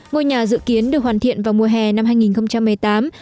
ngôi nhà dự kiến được hoàn thiện vào mùa hè năm hai nghìn một mươi tám